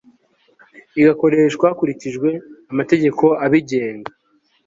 igakoreshwa hakurikijwe amategeko abigenga